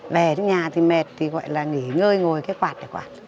về trong nhà thì mệt thì gọi là nghỉ ngơi ngồi cái quạt này quạt